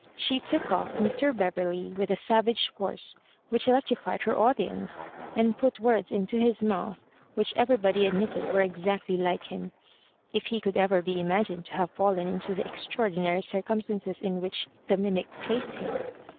She took off Mr. Beverley with a savage force wliich dectrified her audience, and put words into his mouth which everybody admitted were exactly like him, if he could ever be imagined to have fallen into the extraordinary circumstances in which the mimic placed him.